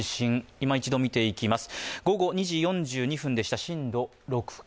いま一度見ていきます。